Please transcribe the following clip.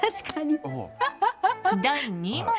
第２問！